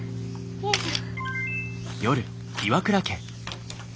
よいしょ。